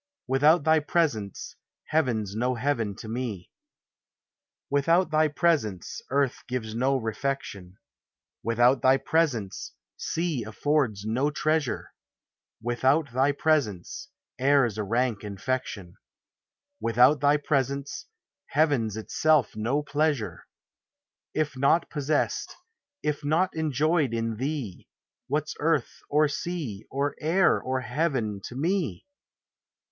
Without thy presence, heaven 's no heaven to me. THE ni\ INE ELEMENT. 35 Without thy presence, earth gives no refection; Without tliv presence, sea affords no treasure; Without tliv presence, air's a rank infection; Without tliv presence, heaven's itself no pleasure: If not possessed, if not enjoyed in thee. What 's earth, or sea, or air, or heaven to me?